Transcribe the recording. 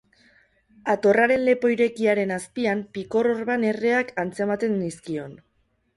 Atorraren lepo irekiaren azpian, pikor-orban erreak antzematen nizkion.